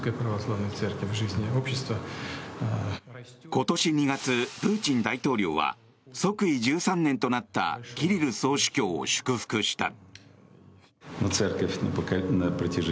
今年２月、プーチン大統領は即位１３年となったキリル総主教を祝福した。